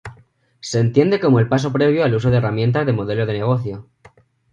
Se entiende como el paso previo al uso de herramientas de modelo de negocio.